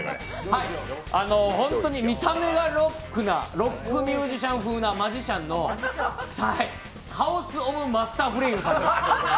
本当に見た目がロックミュージシャン風なマジシャンのカオスオブマスターフレイムさんです。